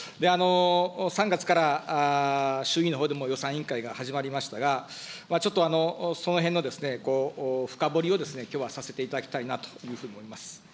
３月から衆議院のほうでも予算委員会が始まりましたが、ちょっとそのへんの深掘りをですね、きょうはさせていただきたいなというふうに思います。